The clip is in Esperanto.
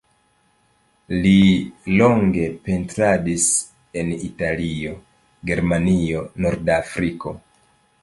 Li longe pentradis en Italio, Germanio, Norda Afriko.